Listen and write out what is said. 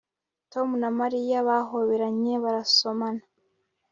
Tom na Mariya bahoberanye barasomana